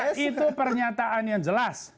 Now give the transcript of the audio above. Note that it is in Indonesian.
ya itu pernyataan yang jelas